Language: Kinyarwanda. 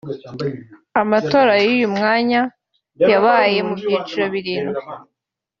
Amatora y’uyu mwanya yabaye mu byiciro birindwi